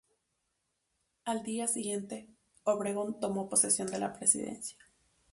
Al día siguiente, Obregón tomó posesión de la presidencia.